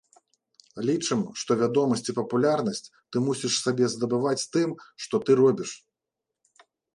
Лічым, што вядомасць і папулярнасць ты мусіш сабе здабываць тым, што ты робіш.